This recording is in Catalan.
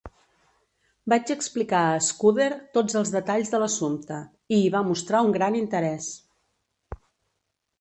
Vaig explicar a Scudder tots els detalls de l'assumpte, i hi va mostrar un gran interès.